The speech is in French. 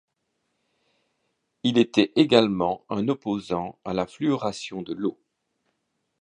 Il était également un opposant à la fluoration de l'eau.